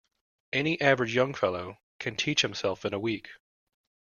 Any average young fellow can teach himself in a week.